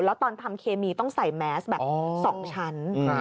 แล้วตอนทำเคมีต้องใส่แมสแบบ๒ชั้น